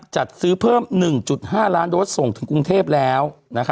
จัดซื้อเพิ่ม๑๕ล้านโดสส่งถึงกรุงเทพแล้ว